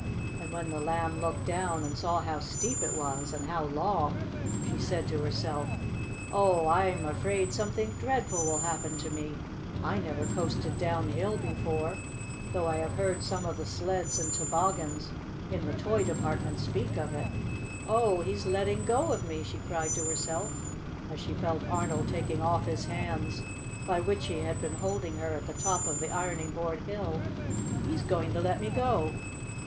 And when the Lamb looked down, and saw how steep it was, and how long, she said to herself: "Oh, I'm afraid something dreadful will happen to me! I never coasted downhill before, though I have heard some of the sleds and toboggans in the toy department speak of it. Oh, he's letting go of me!" she cried to herself, as she felt Arnold taking off his hands by which he had been holding her at the top of the ironing board hill. "He's going to let me go!"